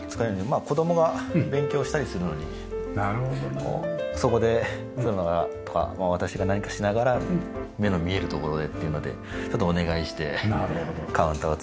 まあ子供が勉強したりするのにそこで妻がとか私が何かしながら目の見える所でっていうのでちょっとお願いしてカウンターを作ってもらって。